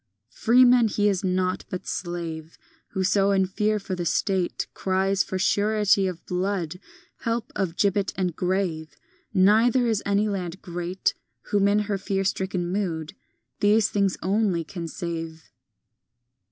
X Freeman he is not, but slave, Whoso in fear for the State Cries for surety of blood, Help of gibbet and grave; Neither is any land great Whom, in her fear stricken mood, These things only can save.